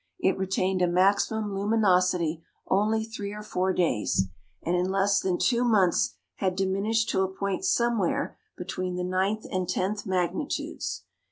It retained a maximum luminosity only three or four days, and in less than two months had diminished to a point somewhere between the ninth and tenth "magnitudes."